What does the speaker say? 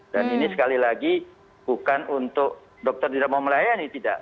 ini sekali lagi bukan untuk dokter tidak mau melayani tidak